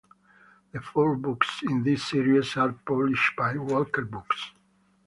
The four books in this series are published by Walker Books.